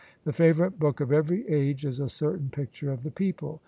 The favourite book of every age is a certain picture of the people.